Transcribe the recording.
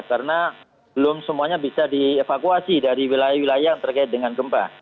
karena belum semuanya bisa dievakuasi dari wilayah wilayah yang terkait dengan gempa